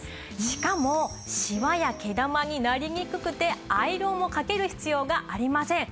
しかもシワや毛玉になりにくくてアイロンをかける必要がありません。